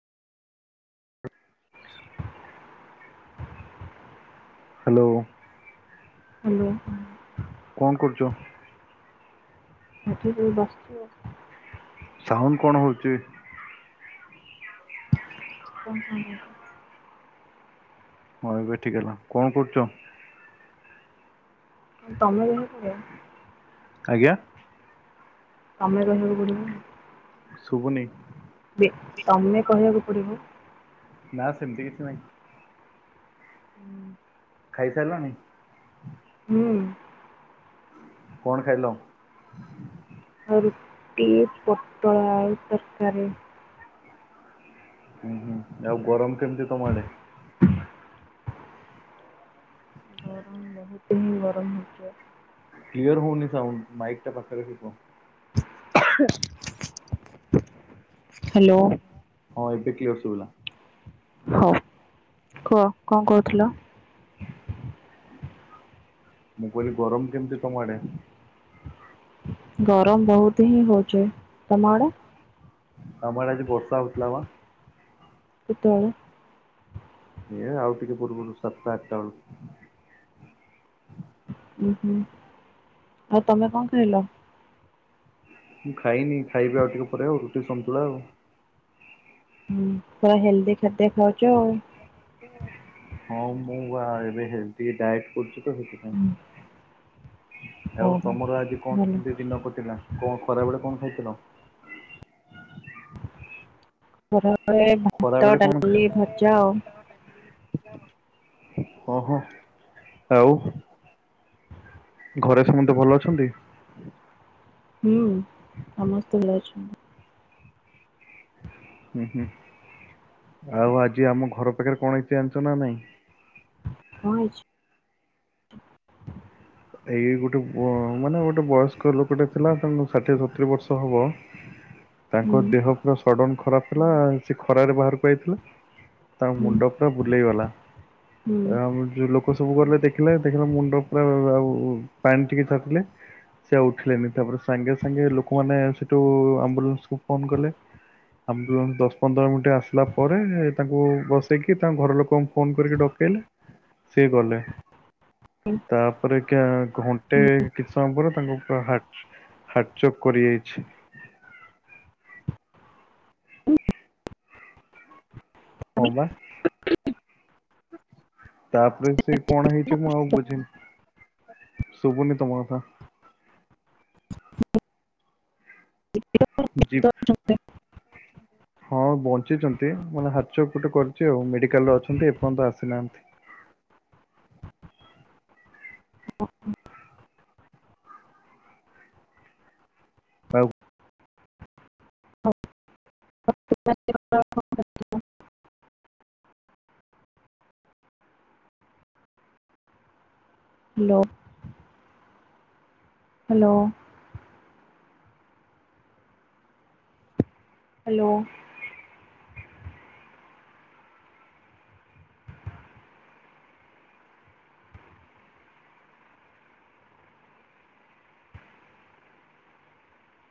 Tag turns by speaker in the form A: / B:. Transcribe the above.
A: [inaudible] Hello.
B: Hello.
A: କଣ କରୁଚ?
B: ଉଠିିକି ବସିଛୁ ଆଉ।
A: ସାଉଣ୍ଡ କଣ ହଉଛି?
B: କଣ୍ ସାଉଣ୍ଡ ହଉଛି।
A: ହଁ ଏବେ ଠିକ ହେଲା କଁ କରୁଛ?
B: ହଁ ତମେ ଯେମତି କୁ ରେ
A: ଆଜ୍ଞା।
B: ତମେ ଯେମତି [inaudible]
A: ଶୁଭୁନି।
B: ବେ ତମେ କହିବାକୁ ପଡିବ।
A: ନା ସେମିତି କିଛି ନାହିଁ। ଖାଇ ସାଇଲଣି।
B: ହୁଁ।
A: କଣ ଖାଇଲ।
B: ରୁଟି ପୋଟଳ ଆଳୁ ତରକାରୀ।
A: ଉଁ ହୁଁ ଆଉ ଗରମ କେମତି ତମ ଆଡେ।
B: ଗରମ ବହୁତ ହିଁ ଗରମ ହଉଛି।
A: କ୍ଲିୟର ହଉନି ସାଉଣ୍ଡ ମାଇକ ଟା ପାଖରେ ରଖି କୁହ।
B: ହାଲୋ।
A: ହଁ ଏବେ କ୍ଲିୟର ସୁବିଲା।
B: ହଉ କୁଅ କଁ କହୁଥିଲ।
A: ମୁଁ କହିଲି ଗରମ କେମତି ତମ ଆଡେ।
B: ଗରମ ବହୁତ ହିଁ ହଉଛି ତମ ଆଡେ।
A: ଆମ ଆଡେ ଆଜି ବର୍ଷା ହଉଥିଲା ବା।
B: କେତେବେଳେ।
A: ଏ ଆଉ ଟିକେ ପୂର୍ବରୁ ସାତଟା ଆଠଟା ବେଳୁ।
B: ଉୁ ହୁଁ ଆଉ ତମେ କଁ ଖାଇଲ।
A: ମୁଁ ଖାଇନି ଖାଇବି ଆଉ ଟିକେ ପରେ ଆଉ ରୁଟି ସନ୍ତୁଳା ଆଉ।
B: ହୁଁ ହେଲ୍ଦି ଖାଦ୍ୟ ଖାଉଛ ଆଉ।
A: ହଁ ମୁଁ ବା ଏବେ ହେଲ୍ଦି ଡାଏଟ କରୁଛି ତ ସେଥିପାଇଁ।
B: ହୁଁ।
A: ଆଉ ତମର ଆଜି କଣ
B: ଭଲ
A: କେମିତି ଦିନ କଟିଲା କଣ ଖରା ବେଳେ କଣ ଖାଇଥିଲ।
B: ଖରା ବେଳେ
A: ଖରା
B: ଭାତ
A: ବେଳେ କଣ ଖାଇ
B: ଡାଲି ଭଜା ଆଉ।
A: ଅ ହୋ ଆଉ। ଘରେ ସମତେ ଭଲ ଅଛନ୍ତି।
B: ହୁଁ ସମସ୍ତେ ଭଲ ଅଛନ୍ତି।
A: ହୁଁ ହୁଁ ଆଉ ଆଜି ଆମ ଘର ପାଖରେ କଣ ହେଇଛି ଯାଣିଛ ନା ନାଇଁ।
B: କଁ ହେଇଛି?
A: ଏଇ ଗୋଟେ ବ ମାନେ ଗୋଟେ ବୟସ୍କ ଲୋକଟେ ଥିଲା ତ ଷାଠିଏ ସତୁରି ବର୍ଷ ହବ।
B: ହୁଁ
A: ତାଙ୍କ ଦେହ ପୁରା ସଡନ ଖରାପ ଥିଲା ସେ ଖରାରେ ବାହାରକୁ ଆଇଥିଲେ। ତା
B: ହୁଁ
A: ମୁଣ୍ଡ ପୁରା ବୁଲେଇଗଲା
B: ହୁଁ
A: ଆମ ଯୋଉ ଲୋକ ଲୋକ ସବୁ ଗଲେ ଦେଖିଲେ ଦେଖିଲେ ମୁଣ୍ଡ ପୁରା ଆଉ ପାଣି ଟିକେ ଛାଟିଲେ। ସେ ଆଉ ଉଠିଲେନି ତାପରେ ସାଙ୍ଗେ ସାଙ୍ଗେ ଲୋକମାନେ ସେଠୁ ଆମ୍ବୁଲାନ୍ସ କୁ ଫୋନ କଲେ। ଆମ୍ବୁଲାନ୍ସ ଦଶ ପନ୍ଦର ମିନିଟ୍ ଆସିଲା ପରେ ତାଙ୍କୁ ବସେଇକି ତାଙ୍କ ଘର ଲୋକଙ୍କୁ ଫୋନ କରିକି ଡକେ ଇଲେ ସେ ଗଲେ।
B: ଉଁ।
A: ତାପରେ କିରେ ଘଣ୍ଟେ କିଛି ସମୟ ପରେ ତାଙ୍କୁ ପୁର ହା ହାର୍ଟଚୋକ୍ କରି ଯାଇଛି। ହଁ ବା। ତାପରେ ସେ କଣ ହେଇଛି ମୁଁ ଆଉ ବୁଝିନି। ଶୁଭୁନି ତମ କଥା?
B: ତ-
A: ଜିଫ୍ ହଁ ବଞ୍ଚିଛନ୍ତି ମାନେ ହାଟଚୋକ୍ ଗୋଟେ କରିଛି ଆଉ। ମେଡିକାଲରେ ଅଛନ୍ତି ଏପର୍ଯ୍ୟନ୍ତ ଆସିନାହାନ୍ତି।
B: [unintelligible]
A: ଆଉ।
B: [unintelligible] ହ୍ୟାଲୋ। ହାଲୋ। ହ୍ୟାଲୋ।